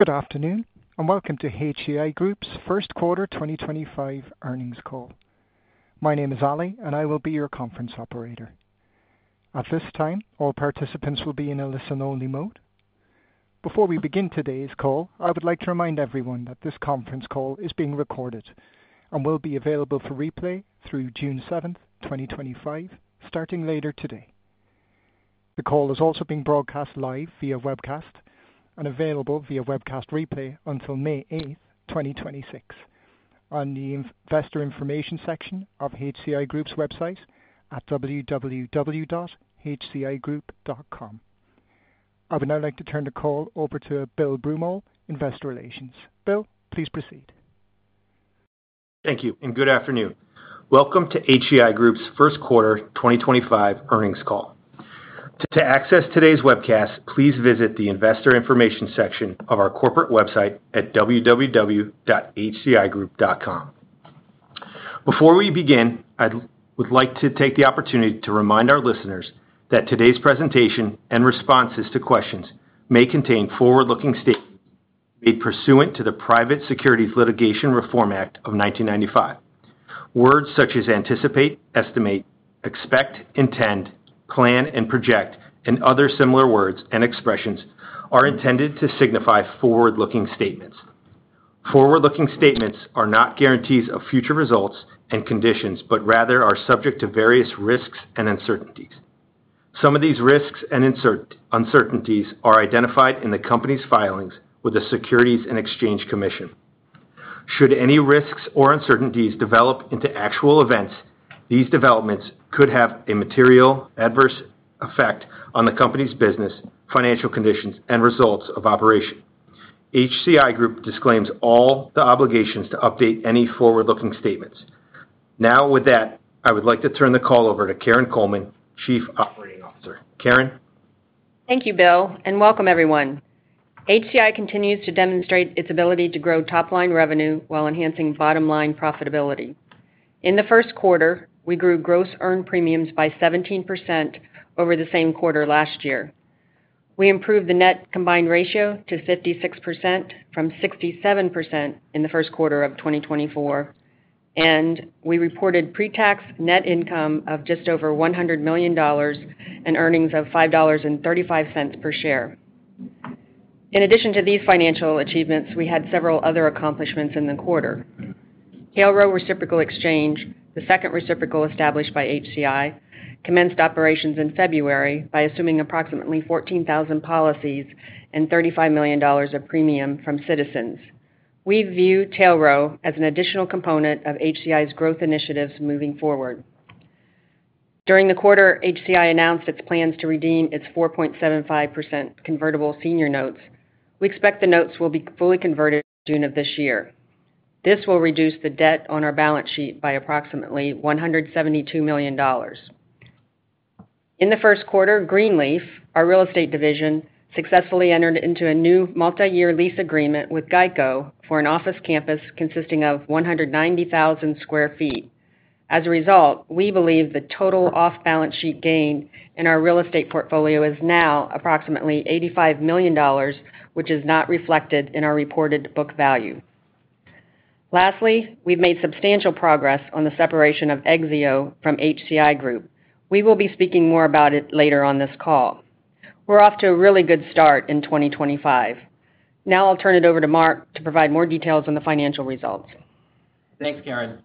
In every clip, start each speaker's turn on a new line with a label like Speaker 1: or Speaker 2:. Speaker 1: Good afternoon, and welcome to HCI Group's first quarter 2025 earnings call. My name is Ali, and I will be your conference operator. At this time, all participants will be in a listen-only mode. Before we begin today's call, I would like to remind everyone that this conference call is being recorded and will be available for replay through June 7th, 2025, starting later today. The call is also being broadcast live via webcast and available via webcast replay until May 8th, 2026, on the investor information section of HCI Group's website at www.hcigroup.com. I would now like to turn the call over to Bill Broomall, investor relations. Bill, please proceed.
Speaker 2: Thank you, and good afternoon. Welcome to HCI Group's first quarter 2025 earnings call. To access today's webcast, please visit the investor information section of our corporate website at www.hcigroup.com. Before we begin, I would like to take the opportunity to remind our listeners that today's presentation and responses to questions may contain forward-looking statements made pursuant to the Private Securities Litigation Reform Act of 1995. Words such as anticipate, estimate, expect, intend, plan, and project, and other similar words and expressions are intended to signify forward-looking statements. Forward-looking statements are not guarantees of future results and conditions, but rather are subject to various risks and uncertainties. Some of these risks and uncertainties are identified in the company's filings with the Securities and Exchange Commission. Should any risks or uncertainties develop into actual events, these developments could have a material adverse effect on the company's business, financial condition, and results of operation. HCI Group disclaims all obligations to update any forward-looking statements. Now, with that, I would like to turn the call over to Karin Coleman, Chief Operating Officer. Karin.
Speaker 3: Thank you, Bill, and welcome, everyone. HCI continues to demonstrate its ability to grow top-line revenue while enhancing bottom-line profitability. In the first quarter, we grew gross earned premiums by 17% over the same quarter last year. We improved the net combined ratio to 56% from 67% in the first quarter of 2024, and we reported pre-tax net income of just over $100 million and earnings of $5.35 per share. In addition to these financial achievements, we had several other accomplishments in the quarter. Hale-Roe Reciprocal Exchange, the second reciprocal established by HCI, commenced operations in February by assuming approximately 14,000 policies and $35 million of premium from Citizens. We view Tailrow as an additional component of HCI's growth initiatives moving forward. During the quarter, HCI announced its plans to redeem its 4.75% convertible senior notes. We expect the notes will be fully converted in June of this year. This will reduce the debt on our balance sheet by approximately $172 million. In the first quarter, Greenleaf, our real estate division, successfully entered into a new multi-year lease agreement with Geico for an office campus consisting of 190,000 sq ft. As a result, we believe the total off-balance sheet gain in our real estate portfolio is now approximately $85 million, which is not reflected in our reported book value. Lastly, we've made substantial progress on the separation of Exzeo from HCI Group. We will be speaking more about it later on this call. We're off to a really good start in 2025. Now I'll turn it over to Mark to provide more details on the financial results.
Speaker 4: Thanks, Karin.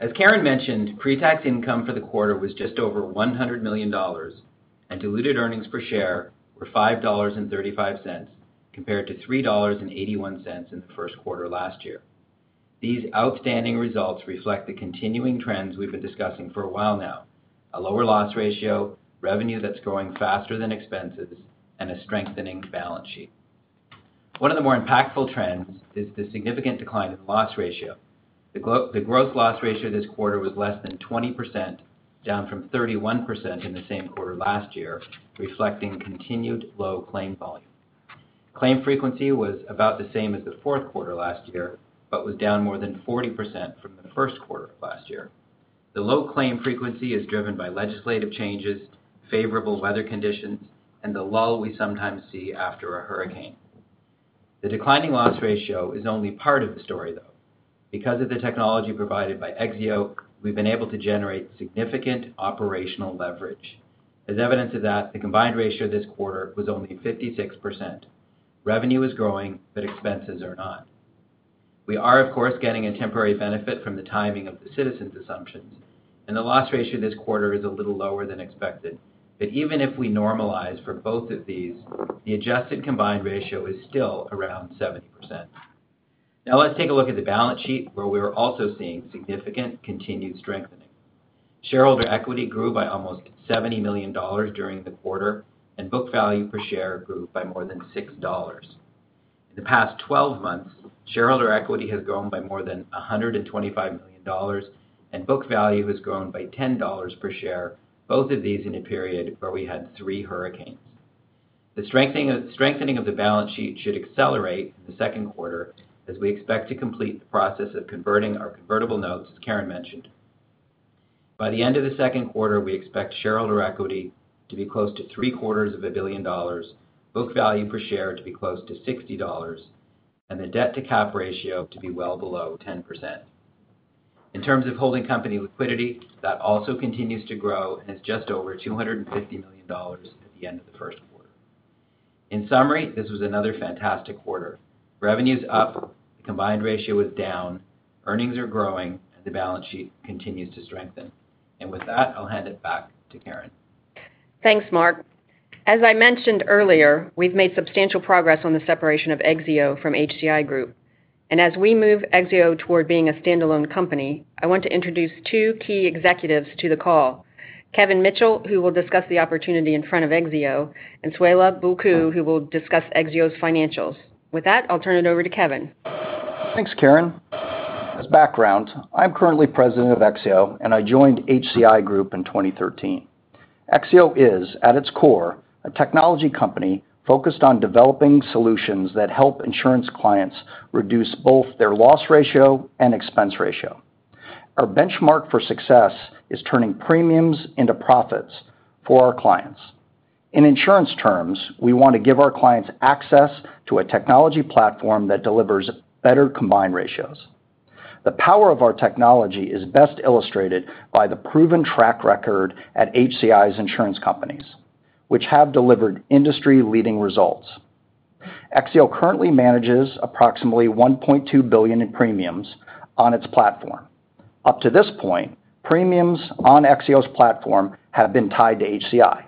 Speaker 4: As Karin mentioned, pre-tax income for the quarter was just over $100 million, and diluted earnings per share were $5.35 compared to $3.81 in the first quarter last year. These outstanding results reflect the continuing trends we've been discussing for a while now: a lower loss ratio, revenue that's growing faster than expenses, and a strengthening balance sheet. One of the more impactful trends is the significant decline in the loss ratio. The gross loss ratio this quarter was less than 20%, down from 31% in the same quarter last year, reflecting continued low claim volume. Claim frequency was about the same as the fourth quarter last year but was down more than 40% from the first quarter of last year. The low claim frequency is driven by legislative changes, favorable weather conditions, and the lull we sometimes see after a hurricane. The declining loss ratio is only part of the story, though. Because of the technology provided by Exzeo, we've been able to generate significant operational leverage. As evidence of that, the combined ratio this quarter was only 56%. Revenue is growing, but expenses are not. We are, of course, getting a temporary benefit from the timing of the Citizens assumptions, and the loss ratio this quarter is a little lower than expected. Even if we normalize for both of these, the adjusted combined ratio is still around 70%. Now let's take a look at the balance sheet, where we are also seeing significant continued strengthening. Shareholder equity grew by almost $70 million during the quarter, and book value per share grew by more than $6. In the past 12 months, shareholder equity has grown by more than $125 million, and book value has grown by $10 per share, both of these in a period where we had three hurricanes. The strengthening of the balance sheet should accelerate in the second quarter as we expect to complete the process of converting our convertible notes, as Karin mentioned. By the end of the second quarter, we expect shareholder equity to be close to $750 million, book value per share to be close to $60, and the debt-to-cap ratio to be well below 10%. In terms of holding company liquidity, that also continues to grow and is just over $250 million at the end of the first quarter. In summary, this was another fantastic quarter. Revenue is up, the combined ratio is down, earnings are growing, and the balance sheet continues to strengthen. With that, I'll hand it back to Karin.
Speaker 3: Thanks, Mark. As I mentioned earlier, we've made substantial progress on the separation of Exzeo from HCI Group. As we move Exzeo toward being a standalone company, I want to introduce two key executives to the call: Kevin Mitchell, who will discuss the opportunity in front of Exzeo, and Suela Bulku, who will discuss Exzeo's financials. With that, I'll turn it over to Kevin.
Speaker 5: Thanks, Karin. As background, I'm currently President of Exzeo, and I joined HCI Group in 2013. Exzeo is, at its core, a technology company focused on developing solutions that help insurance clients reduce both their loss ratio and expense ratio. Our benchmark for success is turning premiums into profits for our clients. In insurance terms, we want to give our clients access to a technology platform that delivers better combined ratios. The power of our technology is best illustrated by the proven track record at HCI's insurance companies, which have delivered industry-leading results. Exzeo currently manages approximately $1.2 billion in premiums on its platform. Up to this point, premiums on Exzeo's platform have been tied to HCI.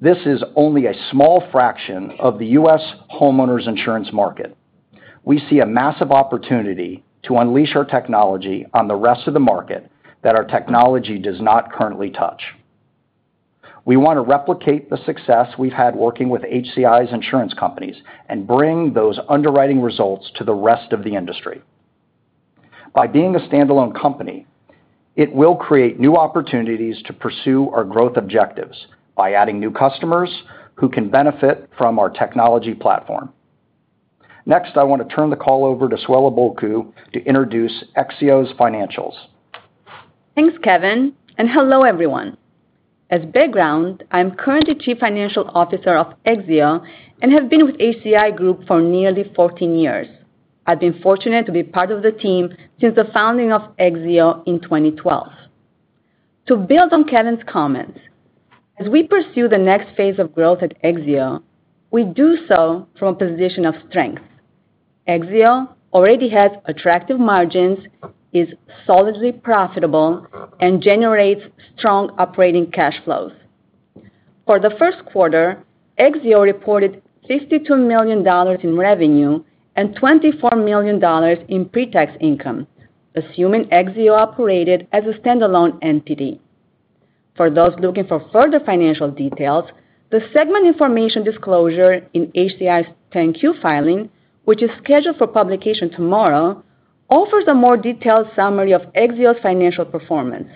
Speaker 5: This is only a small fraction of the U.S. homeowners insurance market. We see a massive opportunity to unleash our technology on the rest of the market that our technology does not currently touch. We want to replicate the success we've had working with HCI's insurance companies and bring those underwriting results to the rest of the industry. By being a standalone company, it will create new opportunities to pursue our growth objectives by adding new customers who can benefit from our technology platform. Next, I want to turn the call over to Suela Bulku to introduce Exzeo's financials.
Speaker 6: Thanks, Kevin, and hello, everyone. As background, I'm currently Chief Financial Officer of Exzeo and have been with HCI Group for nearly 14 years. I've been fortunate to be part of the team since the founding of Exzeo in 2012. To build on Kevin's comments, as we pursue the next phase of growth at Exzeo, we do so from a position of strength. Exzeo already has attractive margins, is solidly profitable, and generates strong operating cash flows. For the first quarter, Exzeo reported $52 million in revenue and $24 million in pre-tax income, assuming Exzeo operated as a standalone entity. For those looking for further financial details, the segment information disclosure in HCI's 10-Q filing, which is scheduled for publication tomorrow, offers a more detailed summary of Exzeo's financial performance.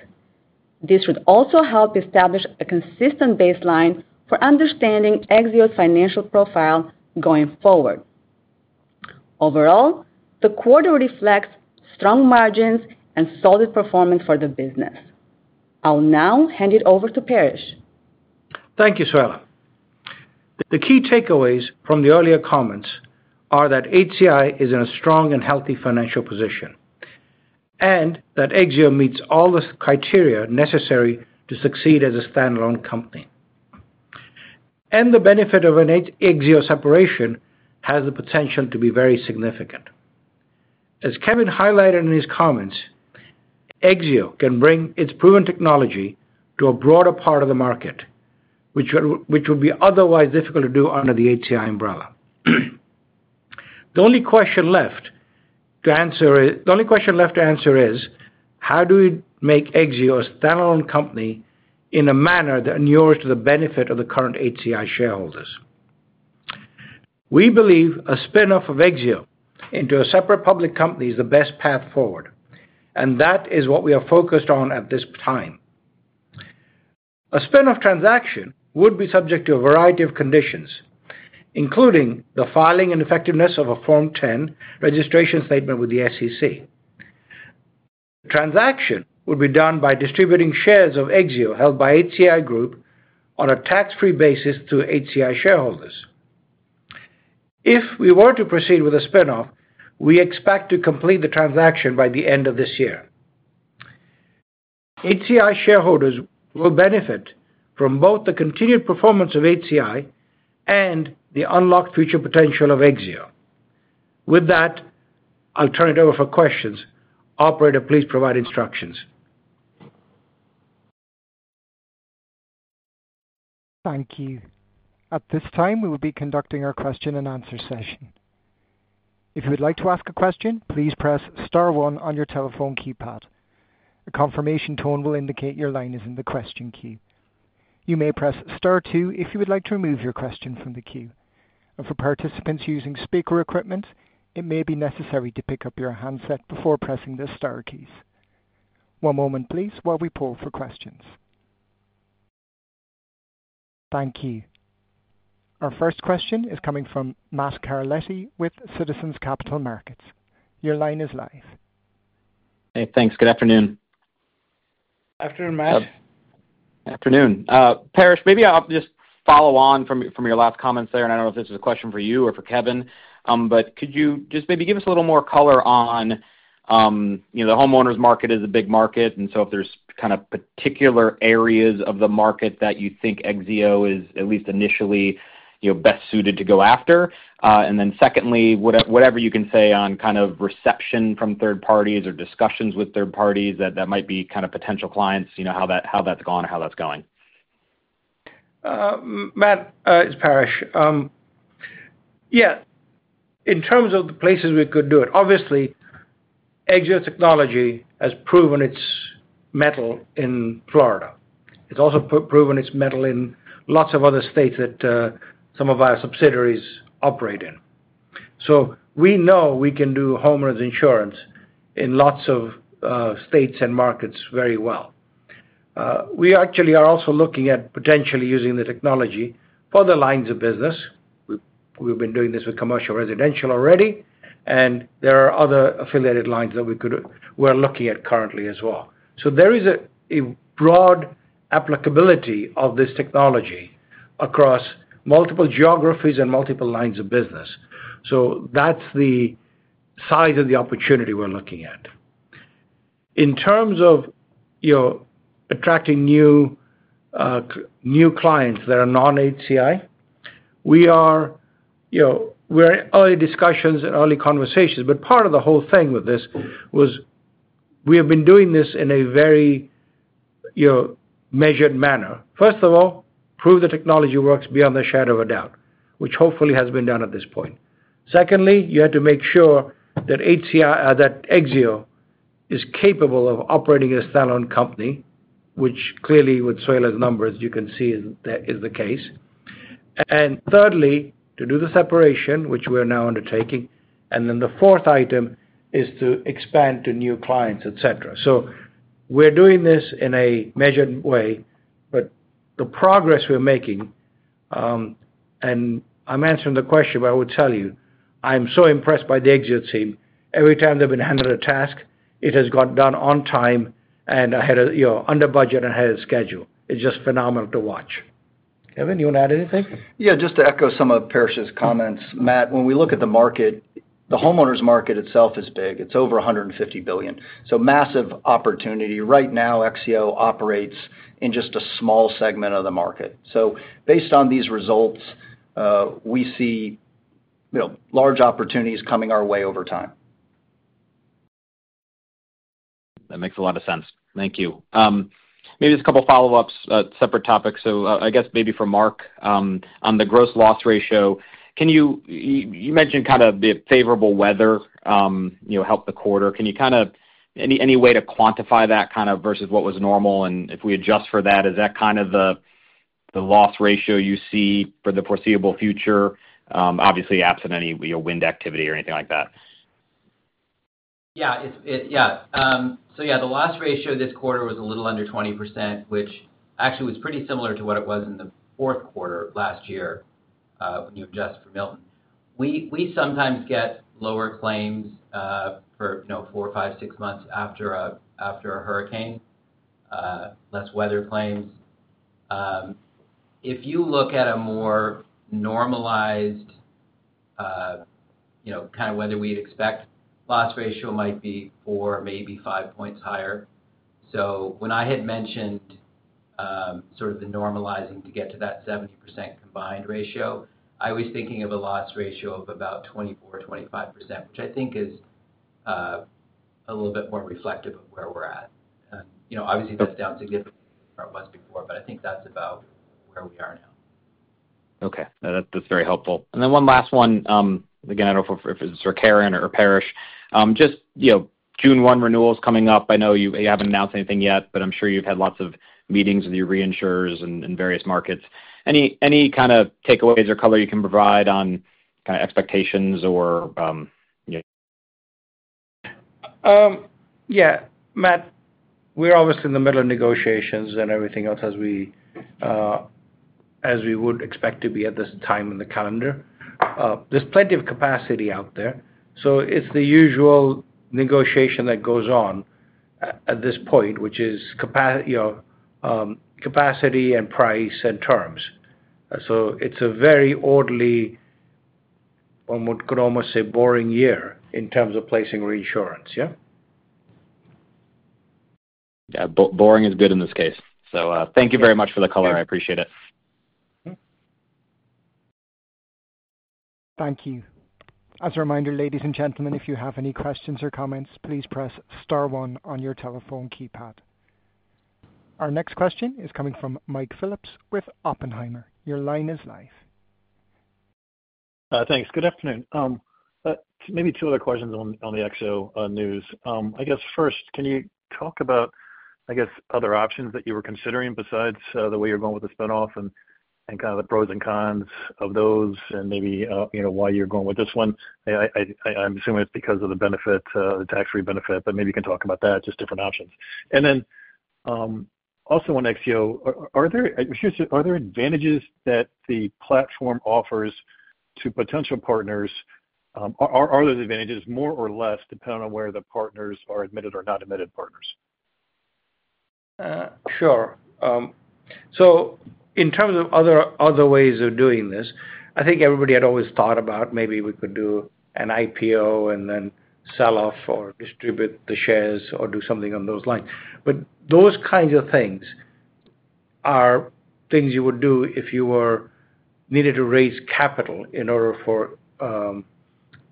Speaker 6: This should also help establish a consistent baseline for understanding Exzeo's financial profile going forward. Overall, the quarter reflects strong margins and solid performance for the business. I'll now hand it over to Paresh.
Speaker 7: Thank you, Suela. The key takeaways from the earlier comments are that HCI is in a strong and healthy financial position and that Exzeo meets all the criteria necessary to succeed as a standalone company. The benefit of an Exzeo separation has the potential to be very significant. As Kevin highlighted in his comments, Exzeo can bring its proven technology to a broader part of the market, which would be otherwise difficult to do under the HCI umbrella. The only question left to answer is, how do we make Exzeo a standalone company in a manner that endures to the benefit of the current HCI shareholders? We believe a spinoff of Exzeo into a separate public company is the best path forward, and that is what we are focused on at this time. A spinoff transaction would be subject to a variety of conditions, including the filing and effectiveness of a Form 10 registration statement with the SEC. The transaction would be done by distributing shares of Exzeo held by HCI Group on a tax-free basis to HCI shareholders. If we were to proceed with a spinoff, we expect to complete the transaction by the end of this year. HCI shareholders will benefit from both the continued performance of HCI and the unlocked future potential of Exzeo. With that, I'll turn it over for questions. Operator, please provide instructions.
Speaker 1: Thank you. At this time, we will be conducting our question-and-answer session. If you would like to ask a question, please press star one on your telephone keypad. A confirmation tone will indicate your line is in the question queue. You may press star two if you would like to remove your question from the queue. For participants using speaker equipment, it may be necessary to pick up your handset before pressing the star keys. One moment, please, while we poll for questions. Thank you. Our first question is coming from Matt Carletti with Citizens Capital Markets. Your line is live.
Speaker 8: Hey, thanks. Good afternoon.
Speaker 5: Afternoon, Matt.
Speaker 8: Good afternoon. Paresh, maybe I'll just follow on from your last comments there. I don't know if this is a question for you or for Kevin, but could you just maybe give us a little more color on the homeowners market? It is a big market, and if there's kind of particular areas of the market that you think Exzeo is at least initially best suited to go after? Secondly, whatever you can say on kind of reception from third parties or discussions with third parties that might be kind of potential clients, how that's gone or how that's going.
Speaker 7: Matt, it's Paresh. Yeah, in terms of the places we could do it, obviously, Exzeo Technology has proven its mettle in Florida. It's also proven its mettle in lots of other states that some of our subsidiaries operate in. We know we can do homeowners insurance in lots of states and markets very well. We actually are also looking at potentially using the technology for other lines of business. We've been doing this with commercial residential already, and there are other affiliated lines that we're looking at currently as well. There is a broad applicability of this technology across multiple geographies and multiple lines of business. That's the size of the opportunity we're looking at. In terms of attracting new clients that are non-HCI, we're in early discussions and early conversations, but part of the whole thing with this was we have been doing this in a very measured manner. First of all, prove the technology works beyond the shadow of a doubt, which hopefully has been done at this point. Secondly, you have to make sure that Exzeo is capable of operating as a standalone company, which clearly with Suela's numbers, you can see is the case. Thirdly, to do the separation, which we're now undertaking. The fourth item is to expand to new clients, etc. We're doing this in a measured way, but the progress we're making, and I'm answering the question, but I will tell you, I'm so impressed by the Exzeo team. Every time they've been handed a task, it has got done on time, and I had it under budget and had it scheduled. It's just phenomenal to watch. Kevin, you want to add anything?
Speaker 5: Yeah, just to echo some of Paresh's comments, Matt, when we look at the market, the homeowners market itself is big. It's over $150 billion. Massive opportunity. Right now, Exzeo operates in just a small segment of the market. Based on these results, we see large opportunities coming our way over time.
Speaker 8: That makes a lot of sense. Thank you. Maybe just a couple of follow-ups, separate topics. I guess maybe for Mark, on the gross loss ratio, you mentioned kind of the favorable weather helped the quarter. Can you kind of any way to quantify that kind of versus what was normal? If we adjust for that, is that kind of the loss ratio you see for the foreseeable future, obviously absent any wind activity or anything like that?
Speaker 4: Yeah. Yeah. So yeah, the loss ratio this quarter was a little under 20%, which actually was pretty similar to what it was in the fourth quarter last year when you adjust for Milton. We sometimes get lower claims for four, five, six months after a hurricane, less weather claims. If you look at a more normalized kind of weather, we would expect loss ratio might be four, maybe five percentage points higher. When I had mentioned sort of the normalizing to get to that 70% combined ratio, I was thinking of a loss ratio of about 24%-25%, which I think is a little bit more reflective of where we are at. Obviously, that is down significantly from where it was before, but I think that is about where we are now.
Speaker 8: Okay. That's very helpful. One last one. Again, I don't know if it's for Karin or Paresh. Just June 1 renewals coming up. I know you haven't announced anything yet, but I'm sure you've had lots of meetings with your reinsurers in various markets. Any kind of takeaways or color you can provide on kind of expectations or?
Speaker 7: Yeah. Matt, we're obviously in the middle of negotiations and everything else as we would expect to be at this time in the calendar. There's plenty of capacity out there. It's the usual negotiation that goes on at this point, which is capacity and price and terms. It's a very orderly, one could almost say boring year in terms of placing reinsurance. Yeah?
Speaker 8: Yeah. Boring is good in this case. Thank you very much for the color. I appreciate it.
Speaker 1: Thank you. As a reminder, ladies and gentlemen, if you have any questions or comments, please press star one on your telephone keypad. Our next question is coming from Mike Phillips with Oppenheimer. Your line is live.
Speaker 9: Thanks. Good afternoon. Maybe two other questions on the Exzeo news. I guess first, can you talk about, I guess, other options that you were considering besides the way you're going with the spinoff and kind of the pros and cons of those and maybe why you're going with this one? I'm assuming it's because of the benefit, the tax-free benefit, but maybe you can talk about that, just different options. Also on Exzeo, are there advantages that the platform offers to potential partners? Are those advantages more or less dependent on where the partners are admitted or not admitted partners?
Speaker 7: Sure. In terms of other ways of doing this, I think everybody had always thought about maybe we could do an IPO and then sell off or distribute the shares or do something on those lines. Those kinds of things are things you would do if you needed to raise capital in order for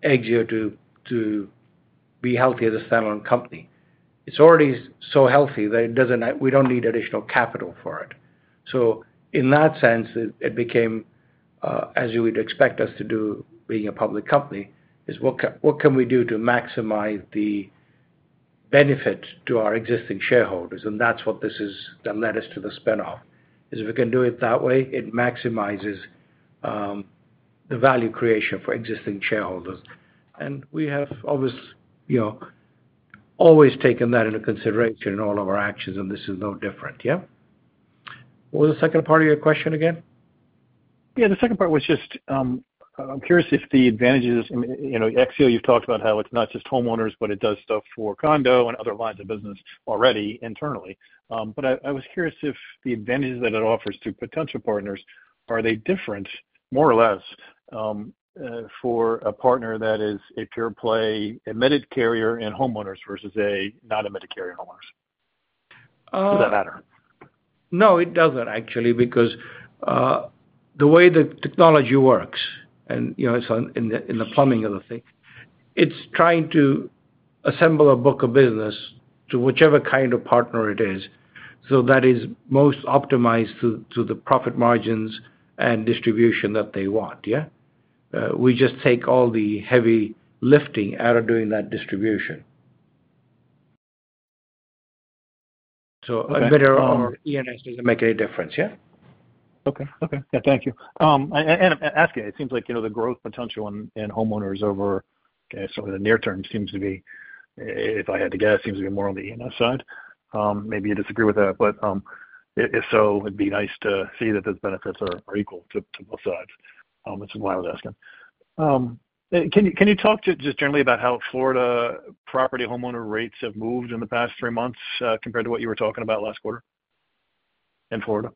Speaker 7: Exzeo to be healthy as a standalone company. It is already so healthy that we do not need additional capital for it. In that sense, it became, as you would expect us to do being a public company, what can we do to maximize the benefit to our existing shareholders? That is what this has led us to, the spinoff, is if we can do it that way, it maximizes the value creation for existing shareholders. We have always taken that into consideration in all of our actions, and this is no different. Yeah? What was the second part of your question again?
Speaker 9: Yeah. The second part was just I'm curious if the advantages Exzeo, you've talked about how it's not just homeowners, but it does stuff for condo and other lines of business already internally. I was curious if the advantages that it offers to potential partners, are they different more or less for a partner that is a pure-play admitted carrier in homeowners versus a non-admitted carrier in homeowners? Does that matter?
Speaker 7: No, it doesn't, actually, because the way the technology works, and it's in the plumbing of the thing, it's trying to assemble a book of business to whichever kind of partner it is so that it's most optimized to the profit margins and distribution that they want. Yeah? We just take all the heavy lifting out of doing that distribution. So admitted or E&S doesn't make any difference. Yeah?
Speaker 9: Okay. Yeah. Thank you. Asking, it seems like the growth potential in homeowners over, okay, in the near term seems to be, if I had to guess, more on the E&S side. Maybe you disagree with that, but if so, it'd be nice to see that those benefits are equal to both sides. That's why I was asking. Can you talk just generally about how Florida property homeowner rates have moved in the past three months compared to what you were talking about last quarter in Florida?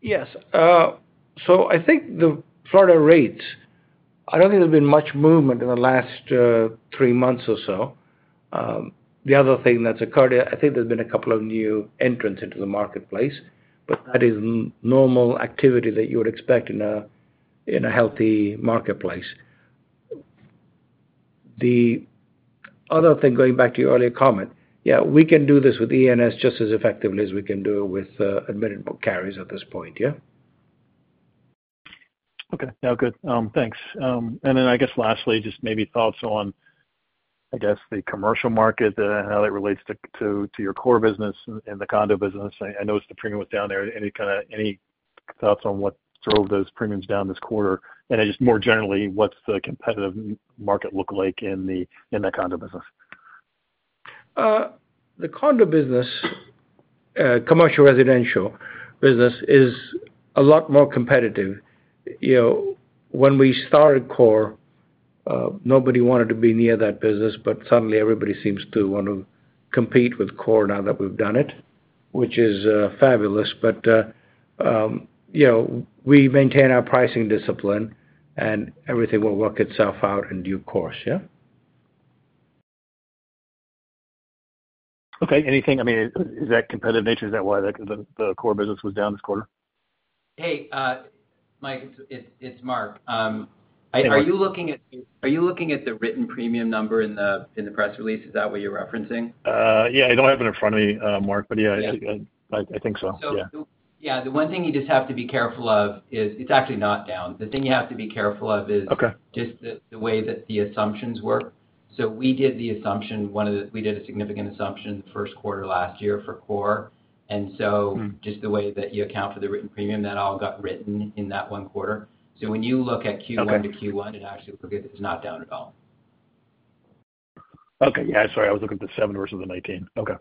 Speaker 7: Yes. I think the Florida rates, I do not think there has been much movement in the last three months or so. The other thing that has occurred, I think there have been a couple of new entrants into the marketplace, but that is normal activity that you would expect in a healthy marketplace. The other thing, going back to your earlier comment, yeah, we can do this with E&S just as effectively as we can do with admitted carriers at this point. Yeah?
Speaker 9: Okay. Yeah. Good. Thanks. I guess lastly, just maybe thoughts on, I guess, the commercial market and how that relates to your core business and the condo business. I know the premium was down there. Any kind of any thoughts on what drove those premiums down this quarter? Just more generally, what's the competitive market look like in the condo business?
Speaker 7: The condo business, commercial residential business, is a lot more competitive. When we started CORE, nobody wanted to be near that business, but suddenly everybody seems to want to compete with CORE now that we've done it, which is fabulous. We maintain our pricing discipline, and everything will work itself out in due course. Yeah?
Speaker 9: Okay. I mean, is that competitive nature? Is that why the core business was down this quarter?
Speaker 4: Hey, Mike, it's Mark. Are you looking at the written premium number in the press release? Is that what you're referencing?
Speaker 9: Yeah. I don't have it in front of me, Mark, but yeah, I think so.
Speaker 4: Yeah, the one thing you just have to be careful of is it's actually not down. The thing you have to be careful of is just the way that the assumptions work. We did the assumption. We did a significant assumption the first quarter last year for CORE. Just the way that you account for the written premium, that all got written in that one quarter. When you look at Q1 to Q1, it actually looks like it's not down at all.
Speaker 9: Okay. Yeah. Sorry. I was looking at the 7 versus the 19. Okay.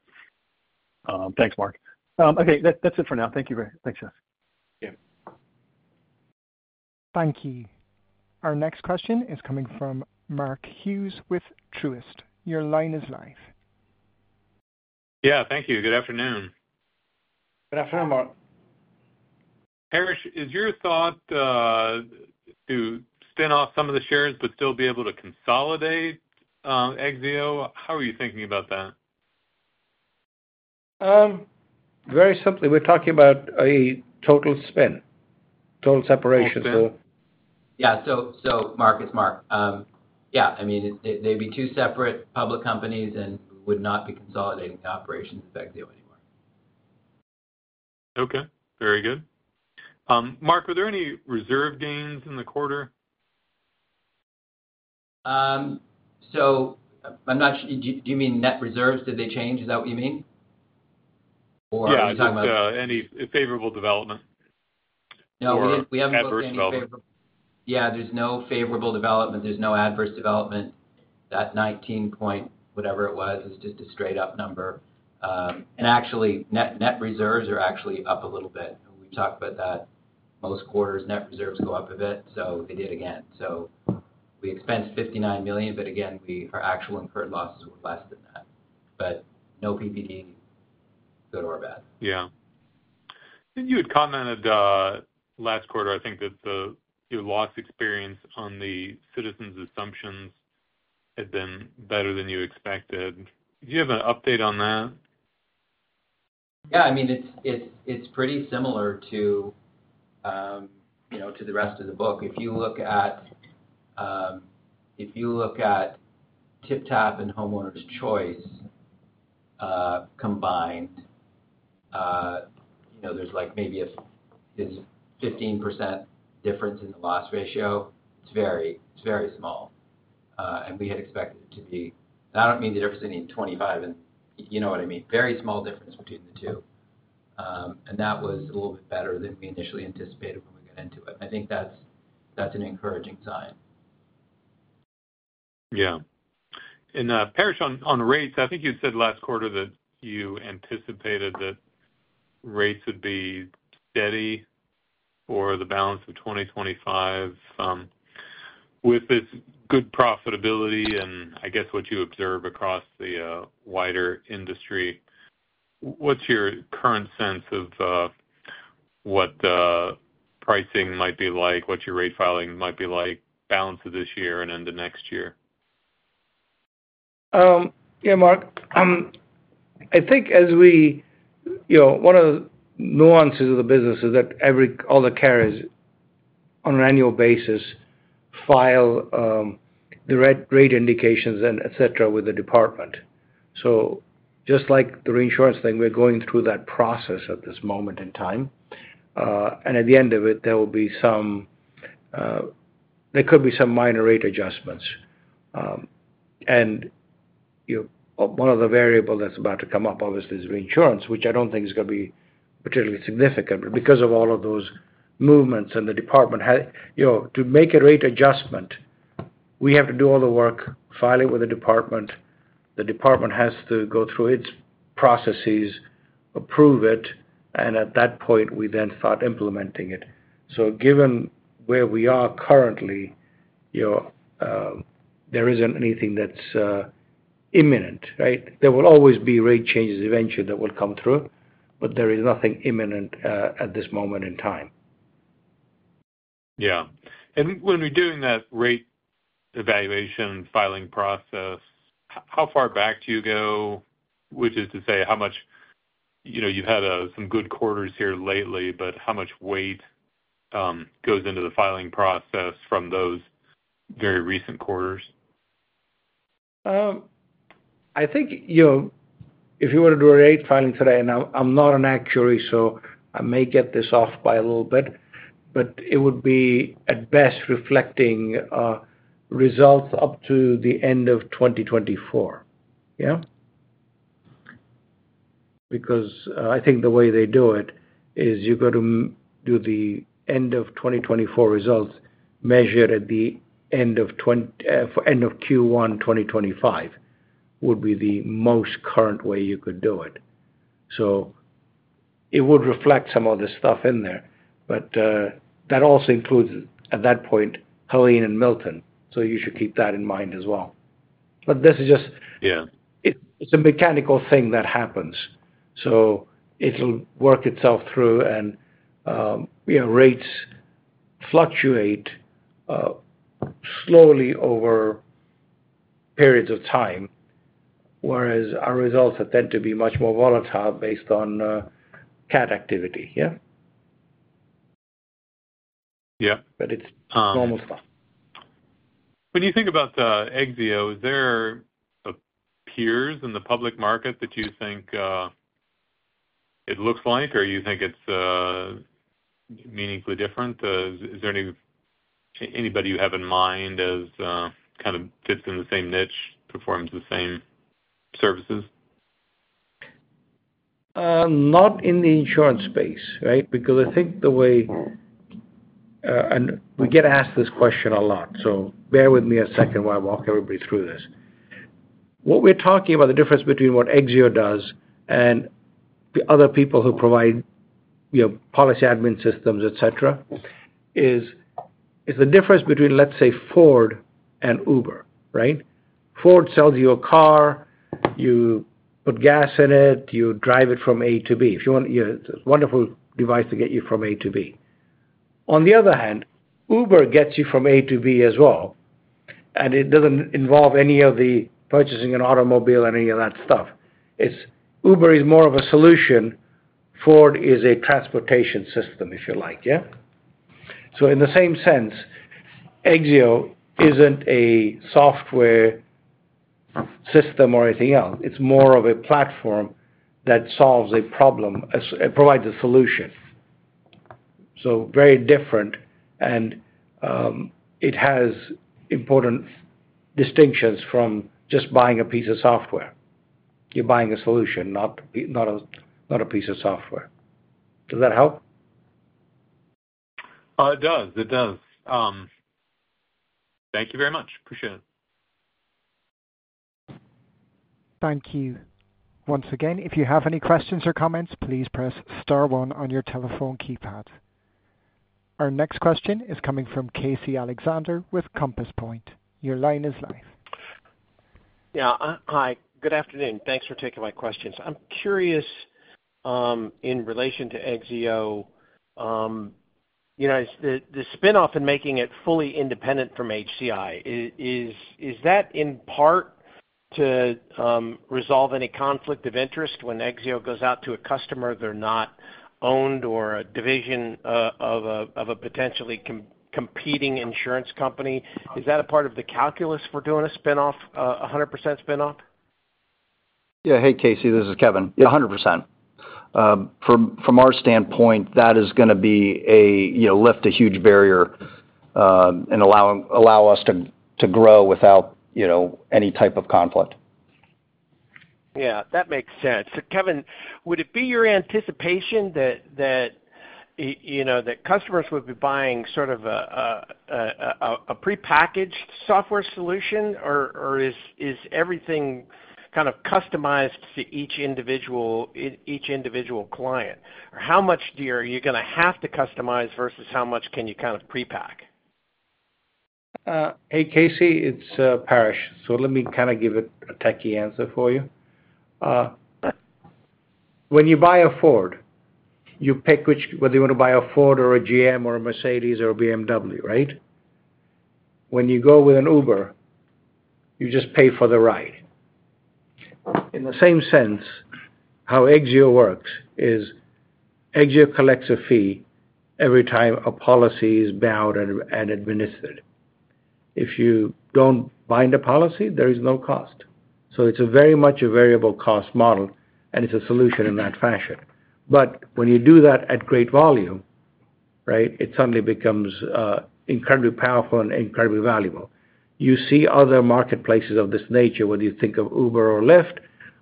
Speaker 9: Thanks, Mark. Okay. That's it for now. Thank you. Thanks, guys.
Speaker 4: Thank you.
Speaker 1: Thank you. Our next question is coming from Mark Hughes with Truist. Your line is live.
Speaker 10: Yeah. Thank you. Good afternoon.
Speaker 7: Good afternoon, Mark.
Speaker 10: Paresh, is your thought to spin off some of the shares but still be able to consolidate Exzeo? How are you thinking about that?
Speaker 7: Very simply, we're talking about a total spin, total separation.
Speaker 4: Yeah. So Mark, it's Mark. Yeah. I mean, they'd be two separate public companies and would not be consolidating the operations of Exzeo anymore.
Speaker 10: Okay. Very good. Mark, were there any reserve gains in the quarter?
Speaker 4: Do you mean net reserves? Did they change? Is that what you mean? Or are you talking about?
Speaker 10: Yeah. Any favorable development?
Speaker 4: No. We haven't looked at any favorable. Yeah. There is no favorable development. There is no adverse development. That 19 point, whatever it was, is just a straight-up number. Actually, net reserves are up a little bit. We talked about that. Most quarters, net reserves go up a bit. They did again. We expensed $59 million, but our actual incurred losses were less than that. No PPD, good or bad.
Speaker 10: You had commented last quarter, I think, that the loss experience on the Citizens assumptions had been better than you expected. Do you have an update on that?
Speaker 4: Yeah. I mean, it's pretty similar to the rest of the book. If you look at, if you look at TypTap and Homeowners Choice combined, there's maybe a 15% difference in the loss ratio. It's very small. And we had expected it to be, I don't mean the difference in any 25, and you know what I mean. Very small difference between the two. That was a little bit better than we initially anticipated when we got into it. I think that's an encouraging sign.
Speaker 10: Yeah. Paresh, on rates, I think you said last quarter that you anticipated that rates would be steady for the balance of 2025. With this good profitability and I guess what you observe across the wider industry, what's your current sense of what pricing might be like, what your rate filing might be like, balance of this year and into next year?
Speaker 7: Yeah, Mark. I think as we, one of the nuances of the business is that all the carriers on an annual basis file the grade indications, etc., with the department. Just like the reinsurance thing, we're going through that process at this moment in time. At the end of it, there could be some minor rate adjustments. One of the variables that's about to come up, obviously, is reinsurance, which I do not think is going to be particularly significant. Because of all of those movements and the department, to make a rate adjustment, we have to do all the work, file it with the department. The department has to go through its processes, approve it, and at that point, we then start implementing it. Given where we are currently, there is not anything that's imminent, right? There will always be rate changes eventually that will come through, but there is nothing imminent at this moment in time.
Speaker 10: Yeah. When we're doing that rate evaluation filing process, how far back do you go, which is to say how much, you've had some good quarters here lately, but how much weight goes into the filing process from those very recent quarters?
Speaker 7: I think if you were to do a rate filing today, and I'm not an actuary, so I may get this off by a little bit, but it would be at best reflecting results up to the end of 2024. Yeah? I think the way they do it is you're going to do the end of 2024 results measured at the end of Q1 2025 would be the most current way you could do it. It would reflect some of the stuff in there. That also includes, at that point, Helene and Milton. You should keep that in mind as well. This is just a mechanical thing that happens. It will work itself through, and rates fluctuate slowly over periods of time, whereas our results tend to be much more volatile based on CAT activity. Yeah?
Speaker 10: Yeah.
Speaker 7: It's normal stuff.
Speaker 10: When you think about Exzeo, is there peers in the public market that you think it looks like, or you think it's meaningfully different? Is there anybody you have in mind as kind of fits in the same niche, performs the same services?
Speaker 7: Not in the insurance space, right? Because I think the way and we get asked this question a lot. So bear with me a second while I walk everybody through this. What we're talking about, the difference between what Exzeo does and the other people who provide policy admin systems, etc., is the difference between, let's say, Ford and Uber, right? Ford sells you a car. You put gas in it. You drive it from A to B. It's a wonderful device to get you from A to B. On the other hand, Uber gets you from A to B as well. And it does not involve any of the purchasing an automobile and any of that stuff. Uber is more of a solution. Ford is a transportation system, if you like. Yeah? So in the same sense, Exzeo is not a software system or anything else. It's more of a platform that solves a problem. It provides a solution. Very different. It has important distinctions from just buying a piece of software. You're buying a solution, not a piece of software. Does that help?
Speaker 10: It does. Thank you very much. Appreciate it.
Speaker 1: Thank you. Once again, if you have any questions or comments, please press star one on your telephone keypad. Our next question is coming from Casey Alexander with Compass Point. Your line is live.
Speaker 11: Yeah. Hi. Good afternoon. Thanks for taking my questions. I'm curious in relation to Exzeo, the spin-off and making it fully independent from HCI. Is that in part to resolve any conflict of interest when Exzeo goes out to a customer they're not owned or a division of a potentially competing insurance company? Is that a part of the calculus for doing a spin-off, a 100% spin-off?
Speaker 5: Yeah. Hey, Casey. This is Kevin. 100%. From our standpoint, that is going to lift a huge barrier and allow us to grow without any type of conflict.
Speaker 11: Yeah. That makes sense. Kevin, would it be your anticipation that customers would be buying sort of a prepackaged software solution, or is everything kind of customized to each individual client? Or how much are you going to have to customize versus how much can you kind of prepack?
Speaker 7: Hey, Casey. It's Paresh. Let me kind of give it a techie answer for you. When you buy a Ford, you pick whether you want to buy a Ford or a GM or a Mercedes or a BMW, right? When you go with an Uber, you just pay for the ride. In the same sense, how Exzeo works is Exzeo collects a fee every time a policy is bound and administered. If you do not bind a policy, there is no cost. It is very much a variable cost model, and it is a solution in that fashion. When you do that at great volume, it suddenly becomes incredibly powerful and incredibly valuable. You see other marketplaces of this nature whether you think of Uber or Lyft,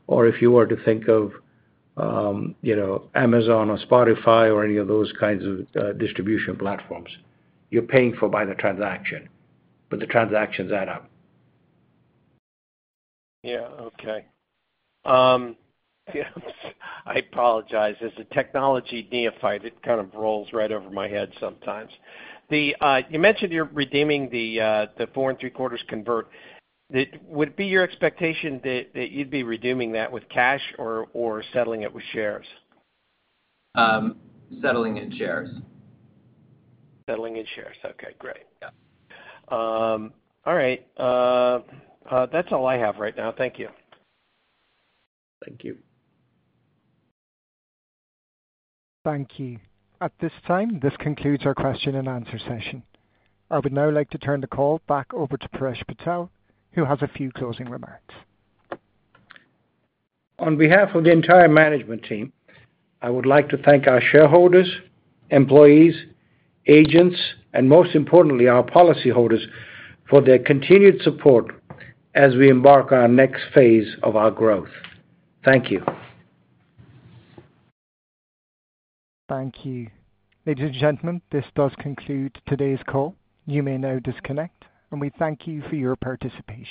Speaker 7: or if you were to think of Amazon or Spotify or any of those kinds of distribution platforms, you're paying for by the transaction. The transactions add up.
Speaker 11: Yeah. Okay. I apologize. As the technology deified, it kind of rolls right over my head sometimes. You mentioned you're redeeming the 4 and 3 quarters convert. Would it be your expectation that you'd be redeeming that with cash or settling it with shares?
Speaker 4: Settling in shares.
Speaker 11: Settling in shares. Okay. Great. Yeah. All right. That's all I have right now. Thank you.
Speaker 7: Thank you.
Speaker 1: Thank you. At this time, this concludes our question and answer session. I would now like to turn the call back over to Paresh Patel, who has a few closing remarks.
Speaker 7: On behalf of the entire management team, I would like to thank our shareholders, employees, agents, and most importantly, our policyholders for their continued support as we embark on our next phase of our growth. Thank you.
Speaker 1: Thank you. Ladies and gentlemen, this does conclude today's call. You may now disconnect, and we thank you for your participation.